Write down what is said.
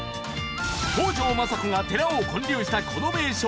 北条政子が寺を建立したこの名所